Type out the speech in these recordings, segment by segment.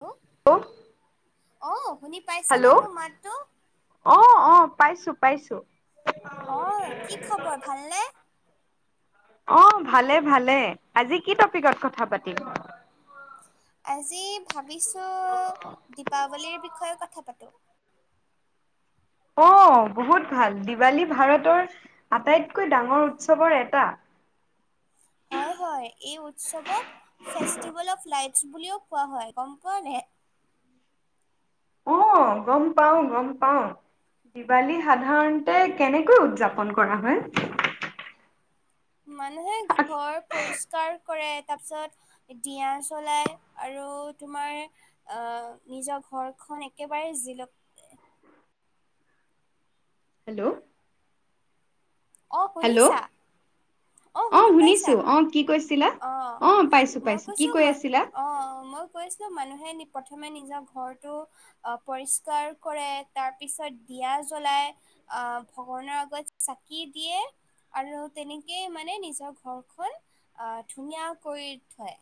Hello ও অ', শুনি পাইছ নে মোৰ মাতটো? অ', অ', পাইছোঁ পাইছোঁ। অ', কি খবৰ ভালনে? অ', ভালে ভালে আজি কি টপিকত কথা পাতিম? আজি ভাবিছোঁ দীপাৱলীৰ বিষয়ে কথা পাতিম। অ', বহুত ভাল দিৱালী ভাৰতৰ আটাইতকৈ ডাঙৰ উৎসৱৰ এটা। হয়, হয় এই উৎসৱক ফেষ্টিভেল অফ লাইটচ বুলিও কোৱা হয় গম পোৱা নে। অ', গম পাওঁ গম পাওঁ দিৱালী সাধাৰণতে কেনেকৈ উদযাপন কৰা হয়। মানুহে ঘৰ পৰিষ্কাৰ কৰে তাৰপিছত দিয়া চলাই আৰু তোমাৰ আহ নিজৰ ঘৰখন একেবাৰে জিল হেল্ল'? অ, হেল্ল' শুনিছা? অ, শুনি শুনিছো পাইছা অ, কি কৈছিলা? অ, পাইছো মই পাইছো কি কৈছোঁ, কৈ মাই আছিলা অ, মই কৈছিলোঁ, মানুহে প্ৰথমে নিজৰ ঘৰটো পৰিষ্কাৰ কৰে, তাৰপিছত দিয়া জ্বলাই। আহ, ভগৱানৰ আগত চাকি দিয়ে। আৰু তেনেকেই মানে নিজৰ ঘৰখন আহ ধুনীয়া কৰি থয়।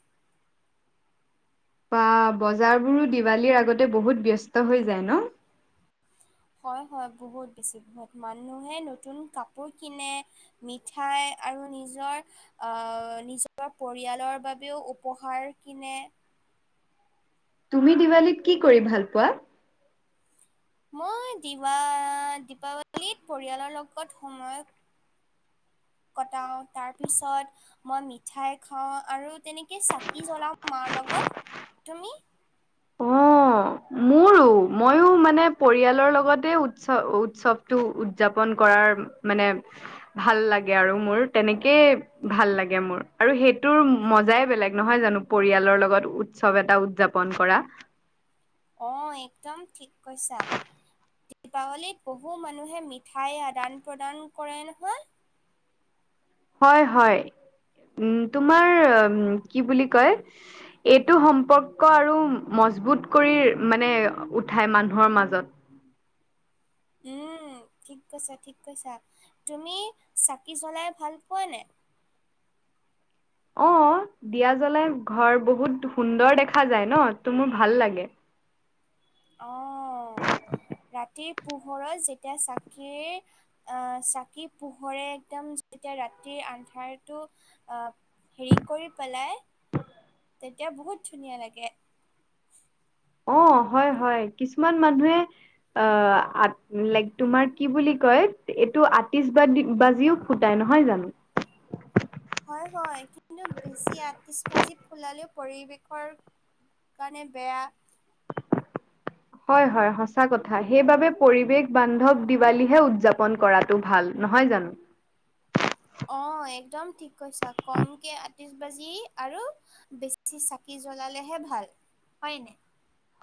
বা, বজাৰ বোৰো দিৱালীৰ আগতে বহুত ব্যস্ত হৈ যায় ন। হয়, হয়, বহুত বেছি বহুত মানুহে নতুন কাপোৰ কিনে। মিঠাই আৰু নিজৰ আহ, নিজৰ পৰিয়ালৰ বাবেও উপহাৰ কিনে। তুমি দিৱালীত কি কৰি ভাল পোৱা? মইৱা দীপাৱলীত পৰিয়ালৰ লগত সময় কটাওঁ, তাৰপিছত মই মিঠাই খাওঁ আৰু তেনেকে চাকি জ্বলাও মাৰ লগত, তুমি? [inaudible] মোৰ ত, মইয়ো মানে পৰিয়ালৰ লগতে উৎসৱ-উৎসৱটো উদযাপন কৰাৰ মানে ভাল লাগে আৰু মোৰ তেনেকেই। ভাল লাগে মোৰ আৰু সেইটোৰ মজাই বেলেগ নহয় জানো পৰিয়ালৰ লগত। উৎচৱ এটা উদযাপন কৰা। অ, একদম ঠিক কৈছা। দীপাৱলীত বহু মানুহে মিঠাই আদান প্ৰদান কৰে নহয়। হয়, হয়, উ, তোমাৰ কি বুলি কয়? এইটো সম্পৰ্ক আৰু মজবুত কৰি মানে উঠাই মানুহৰ মাজত। ঠিক কৈছা, ঠিক কৈছা তুমি চাকি জ্বলাই ভাল পোৱা নে? অ, দিয়া জ্বলাই ঘৰ বহুত সুন্দৰ দেখা যায় ন, ত মোৰ ভাল লাগে। অ, ৰাতি পোহৰত যেতিয়া চাকিৰ চাকি পোহৰে একদম যেতিয়া ৰাতিৰ আন্ধাৰটো হেৰি কৰি পেলাই তেতিয়া বহুত ধুনীয়া লাগে। অ, হয়, হয় কিছুমান মানুহে অ, লাইক তোমাৰ কি বুলি কয় এইটো আটিষ্ট বা বাজিও সুটাই নহয় জানো। হয়, হয়, কিন্তু বেছি আতিচ ভাজি ফুলালেও পৰিৱেশৰ সেই কাৰণে বেয়া। হয়, হয়, সঁচা কথা সেইবাবে পৰিৱেশ বান্ধৱ দিৱালীহে উদযাপন কৰাটো ভাল নহয় জানো। অ, একদম ঠিক কৈছা, কমকৈ আঠ্ৰিছ বাজি আৰু বেছি চাকি জ্বলালেহে ভাল হয় ন।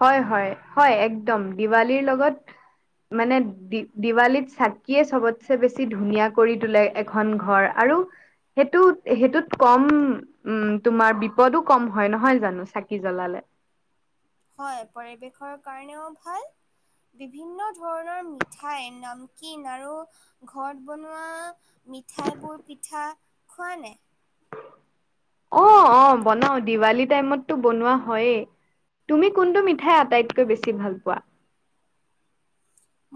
হয়, হয়, হয়, একদম দিৱালীৰ লগত মানে দি-দিৱালীত চাকিয়ে চবতছে বেছি ধুনীয়া কৰি তোলে। এখন ঘৰ আৰু সেইটো-সেইটোত কম উম, তোমাৰ বিপদো কম হয়, নহয়, জানো চাকি জ্বলালে। হয়, পৰিৱেশৰ কাৰণেও ভাল। বিভিন্ন ধৰণৰ মিঠাই, নামকিন আৰু ঘৰত বনোৱা মিঠাইবোৰ পিঠা খোৱা নে? অ', অ', বনাও দিৱালী টাইমতটো বনোৱা হয়েই। তুমি কোনটো মিঠাই আটাইতকৈ বেছি ভাল পোৱা?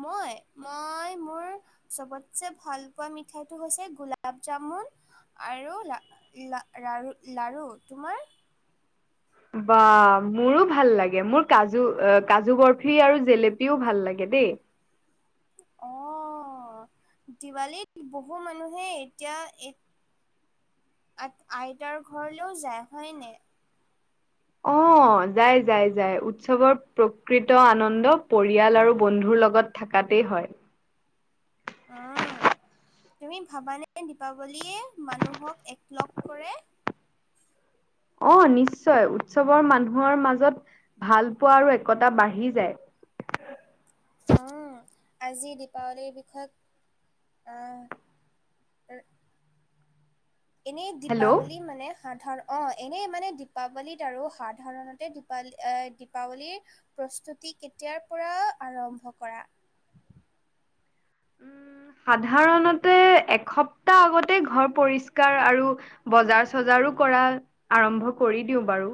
মই, মই, মোৰ চবতছেে ভাল পোৱা মিঠাইতটো হৈছে গোলাপ জামুন। [unintelligible] লা-লাৰু তোমাৰ? বাহ মোৰো ভাল লাগে, মোৰ কাজু-কাজু বৰফি আৰু জেলেপিও ভাল লাগে দেই। অ', দিৱালীত বহু মানুহে এতিয়া আ-আইতাৰ ঘৰলেও যায় হয়নে? অ'। অ', যায়, যায়, যায়, উৎসৱৰ প্ৰকৃত আনন্দ পৰিয়াল আৰু বন্ধুৰ লগত থাকাতেই হয়। অ', তুমি ভাবানে দীপাৱলীয়ে মানুহক একলগ কৰে? অ', নিশ্চয়, উৎসৱৰ মানুহৰ মাজত ভাল পোৱা আৰু একতা বাঢ়ি যায়। উম, আজি দীপাৱলীৰ বিষয়ে আহ এনেই হেল্ল' দীপাৱলী মানে সাধাৰণ অ', এনেই মানে দীপাৱলীত আৰু সাধাৰণতে দীপী-দীপাৱলীৰ প্ৰস্তুতি কেতিয়াৰ পৰা আৰম্ভ কৰা? উম, সাধাৰণতে এসপ্তাহ আগতে ঘৰ পৰিষ্কাৰ আৰু বজাৰ চজাৰো কৰা আৰম্ভ কৰি দিওঁ বাৰু।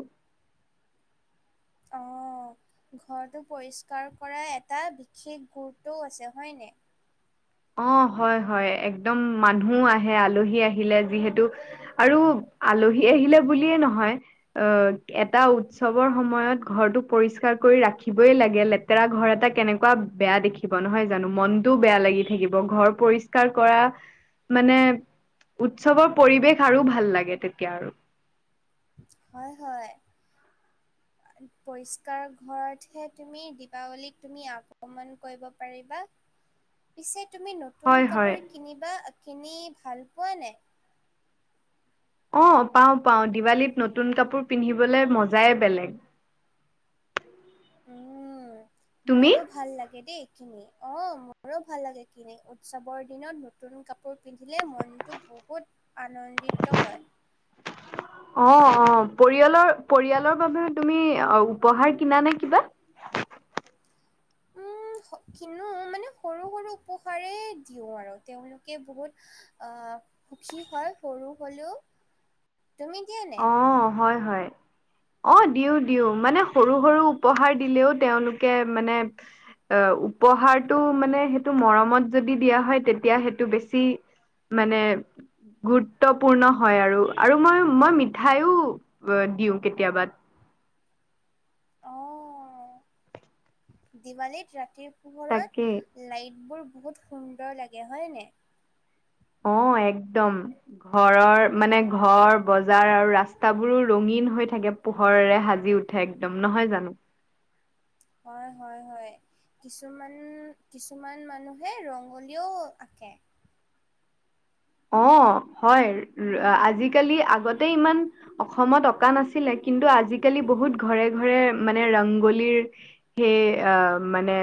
অ'। ঘৰটো পৰিষ্কাৰ কৰা এটা বিশেষ গুৰুত্বও আছে হয়নে? অ', হয়, হয় একদম মানুহ আহে। আলহী আহিলে যিহেতু আৰু আলহী আহিলে বুলিয়ে নহয় অ', এটা উৎসৱৰ সময়ত ঘৰটো পৰিস্কাৰ কৰি ৰাখিবই লাগে, লেতে লেটেৰা ঘৰ এটা কেনেকুৱা বেয়া দেখিব, নহয় জানো মনতোও বেয়া লাগি থাকিব, ঘৰ পৰিষ্কাৰ কৰা মানে উৎসৱৰ পৰিৱেশ আৰু ভাল লাগে, তেতিয়া আৰু হয়, হয়। পৰিষ্কাৰ ঘৰতহে তুমি, দিপাৱলীক তুমি আগ্ৰমন কৰিব পাৰিবা। পিছে তুমি নতুন হয় কাপোৰ হয় কিনিবা-কিনি ভাল পোৱা নে? অ', পাওঁ, পাওঁ, দিৱালীত নতুন কাপোৰ পিন্ধিবলৈ মজাই বেলেগ। উম তুমি? মোৰো ভাল লাগে দেই এইখিনি। অ', মোৰো ভাল লাগে কিনি, উৎসৱৰ দিনত নতুন কাপোৰ পিন্ধিলে মনটো বহুত আনন্দিত হয়। [inaudible] অ', অ', পৰিয়ালৰ-পৰিয়ালৰ বাবে তুমি অ' উপহাৰ কিনা নে কিবা? উম, কিনো মানে সৰু সৰু উপহাৰেই দিওঁ আৰু, তেওঁলোকে বহুত সুখী হয়, সৰু হ'লেও। তুমি নে? অ', হয়, হয়। অ', দিও, দিও, মানে সৰু সৰু উপহাৰ দিলেও তেওঁলোকে মানে অ', উপহাৰটো মানে, সেইটো মৰমত যদি দিয়া হয় তেতিয়া সেইটো বেছি মানে গুৰুত্বপূৰ্ণ হয় আৰু, আৰু মই-মই মিঠাইও দিওঁ কেতিয়াবা। অ দিৱালীত ৰাতিৰ তাকে। পোহৰত লাইটবোৰ বহুত সুন্দৰ লাগে হয়নে? অ', একদম। ঘৰৰ মানে, ঘৰ বজাৰ আৰু ৰাস্তাবোৰো ৰঙীন হৈ থাকে। পোহৰেৰে সাজি উঠে একদম, নহয় জানো? হয়, হয়, হয়। কিছুমান, কিছুমান মানুহে ৰঙলীও আঁকে। অ', হয়, আজিকালি আগতে ইমান অসমত অঁকা নাছি ছিলে, কিন্তু আজিকালি বহুত ঘৰে ঘৰে মানে, ৰংগোলীৰ সেই আহ মানে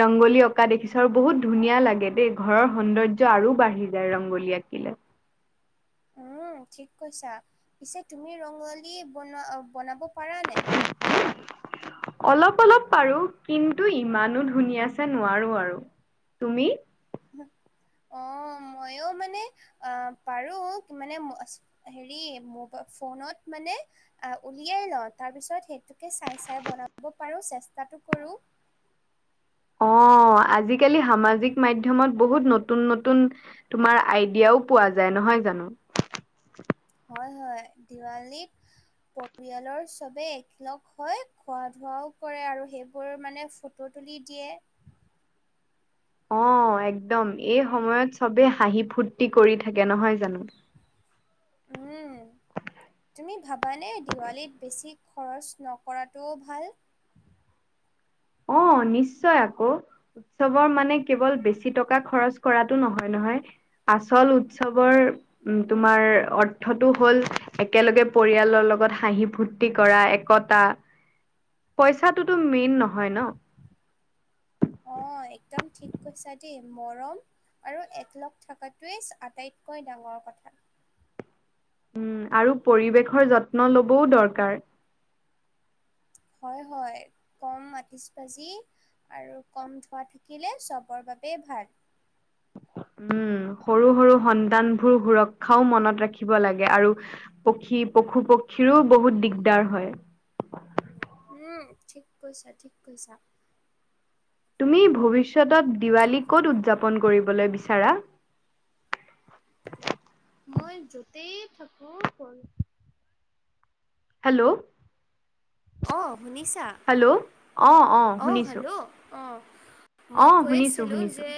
ৰংগোলী অঁকা দেখিছ' আৰু বহুত ধুনীয়া লাগে দেই, ঘৰৰ সৌন্দৰ্য আৰু বাঢ় ৰংগোলী আকিলে। ঠিক কৈছা, পিছে তুমি ৰঙালী বনাব বনাব পাৰানে নাই? অলপ অলপ পাৰো কিন্তু, ইমানো ধুনীয়াছে নোৱাৰো আৰু তুমি? অ', মইো মানে আহ পাৰো, মানে হেৰি ম ফোনত মানে আহ উলিয়াই লওঁ, তাৰ পিছত সেইটোকে চাই চাই বনাব পাৰোঁ চেষ্টাটো কৰোঁ। অ', আজিকালি সামাজিক মাধমত বহুত নতুন নতুন, তোমাৰ আইডিয়াও পোৱা যায় নহয় জানো? হয় হয়, দিৱালীত পৰিয়ালৰ চবে একেলগ হৈ খোৱা ধোৱাও কৰে, আৰু সেইবোৰ মানে ফু তুলি দিয়ে। অ', একদম এই সময়ত চবেই হাঁহি ফূুৰ্তি কৰি থাকে নহয় জানো? উম। তুমি ভাবানে দিৱালীত বেছি খৰচ নকৰাটোও ভাল অ', নিশ্চয় আকৌ! উৎসৱৰ মানে কেৱল বেছি টকা খৰচ কৰাটো নহয় নহয় আচল উৎসৱৰ উম তোমাৰ অৰ্থটো হ'ল একেলগে পৰিয়ালৰ লগত হাঁহি ফূুৰ্তি কৰা, একতা [unintelligible] পইচাটোটো মেইন নহয় ন? অ', একদম ঠিক কৈছা দেই মৰম আৰু একলগ থকাটোৱেই আটাইতকৈ ডাঙৰ কথা। উম আৰু পৰিৱেশৰ যত্ন লবও দৰকাৰ। হয় হয়, কম আঠিশ বাজি আৰু কম ধোৱা থাকিলে চবৰ বাবেই ভাল। উম সৰু সৰু সন্তানবোৰ সুৰক্ষাও মনত ৰাখিব লাগে আৰু পক্ষী, পশু পক্ষীৰো বহুত দিগদাৰ হয়। উম ঠিক কৈছা ঠিক কৈছা। তুমি ভৱিষ্যতত দিৱালী ক'ত উদযাপন কৰিবলৈ বিচাৰা? মই য'তেই থাকো ক হেল্ল' অঁ শুনিছা, হেল্ল' অ অ', শুনিছো হেল্ল' অ' মই অ শুনিছো কৈছিলোঁ শুনিছো যে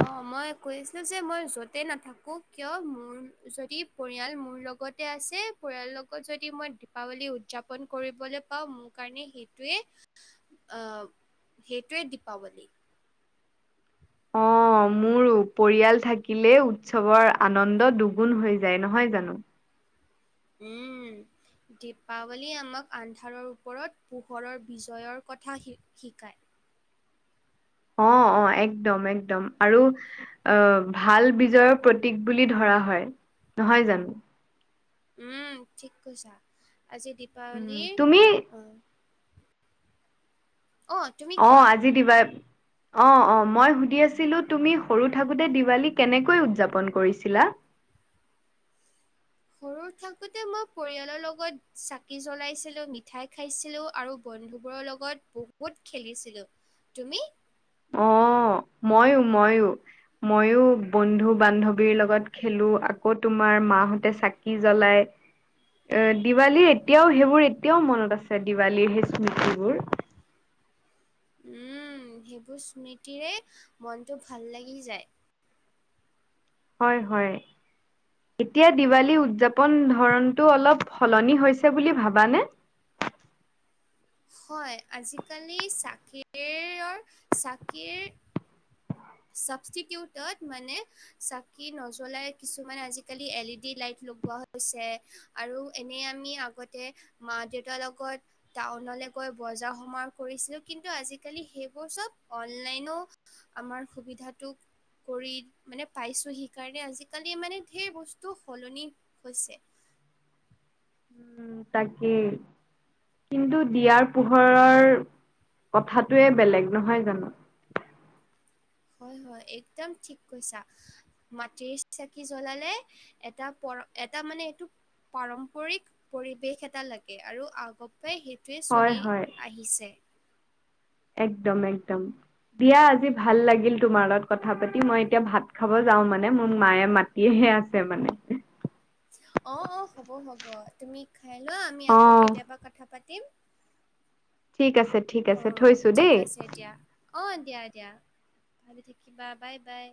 অঁ মই কৈছিলোঁ যে, মই য'তে নাথাকোঁ কিয় মোৰ যদি পৰিয়াল মোৰ লগতে আছে, পৰিয়ালৰ লগত যদি মই দীপাৱলী উদযাপন কৰিবলৈ পাঁও, মোৰ কাৰণে সেইটোৱে সেইটোৱে দীপাৱলী। অঁ অ', মোৰ পৰিয়াল থাকিলে উৎসৱৰ আনন্দ দুগুণ হৈ যায় নহয় জানো? উম দীপাৱলীয়ে আমাক আন্ধাৰৰ ওপৰত পোহৰৰ বিজয়ৰ কথা শিকায়। অ' অ', একদম একদম আৰু আহ ভাল বিজয়ৰ প্ৰতীক বুলি ধৰা হয় নহয় জানো? উম ঠিক কৈছা, আজি উম দীপাৱলীৰ তুমি অ অ', তুমি কোৱা। আজি দিবা অ অ', মই সুধি আছিলো তুমি সৰু থাকোঁতে দিৱালী কেনেকৈ উদযাপন কৰিছিলা? সৰু থাকোঁতে মই পৰিয়ালৰ লগত চাকি জ্বলাইছিলোঁ, মিঠাই খাইছিলোঁ আৰু বন্ধুবোৰৰ লগত বহুত খেলিছিলোঁ, তুমি? অ', মইো মইো। মইো বন্ধু বান্ধৱীৰ লগত খেলো, আকৌ তোমাৰ মাহঁতে চাকি জ্বলাই এ দিৱালীৰ এতিয়াও সেইবোৰ এতিয়াও মনত আছে দিৱালীৰ সেই স্মৃতিবোৰ। উম, সেইবোৰ স্মৃতিৰে মনটো ভাল লাগি যায়। হয় হয়। এতিয়া দিৱালী উদযাপন ধৰণটো অলপ সলনি হৈছে বুলি ভাবানে? হয়, আজিকালি চাকিৰৰ চাকিৰ চাবষ্টিটিওটত মানে চাকি নজ্বলাই কিছুমান আজিকালি এল ই ডি লাইট লগোৱা হৈছে। আৰু এনে আমি আগতে মা দেউতাৰ লগত টাউনলৈ গৈ বজাৰ সমাৰ কৰিছিলো কিন্তু আজিকালি সেইবোৰ চব অনলাইনো আমাৰ সুবিধাটোক কৰি মানে পাইছোঁ, সেইকাৰণে আজিকালি মানে ধেৰ বস্তু সলনি হৈছে। উ, তাকিই। কিন্তু দিয়াৰ পোহৰৰ কথাটোয়ে বেলেগ নহয় জানো? হয় হয়, একদম ঠিক কৈছা। মাটিৰ চাকি জ্বলালে এটা পৰ এটা মানে এইটো পাৰম্পৰিক পৰিৱেশ এটা লাগে আৰু আগৰপাই সেইটোৱে হয় চলি হয় আহিছে। একদম একদম। দিয়া আজি ভাল লাগিল তোমাৰ লগত কথা পাতি, মই এতিয়া ভাত খাব যাও মানে মোৰ মায়ে মা তিহে আছে মানে। অ', অ' হ'ব হ'ব। তুমি খাই লোৱা, আমি অ আকৌ কেতিয়াবা কথা পাতিম। ঠিক আছে ঠিক আছে, অ', থৈছোঁ ঠিক দেই। আছে দিয়া অ' দিয়া দিয়া, ভালে থাকিবা বাই বাই।